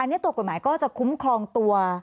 อันนี้ตัวกฎหมายก็จะคุ้มครองตัว